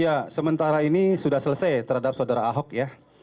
ya sementara ini sudah selesai terhadap saudara ahok ya